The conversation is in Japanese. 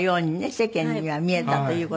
世間には見えたという事。